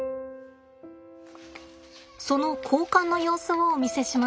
その交換の様子をお見せします。